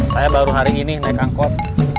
saya baru hari ini naik angkot